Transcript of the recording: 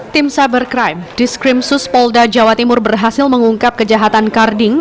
tim cybercrime diskrim suspolda jawa timur berhasil mengungkap kejahatan karding